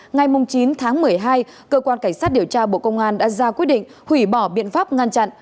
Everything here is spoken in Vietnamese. ngày chín tháng một mươi hai cơ quan cảnh sát điều tra bộ công an đã ra quyết định hủy bỏ biện pháp ngăn chặn